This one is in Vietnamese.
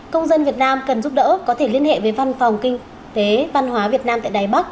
công dân việt nam cần giúp đỡ có thể liên hệ với văn phòng kinh tế văn hóa việt nam tại đài bắc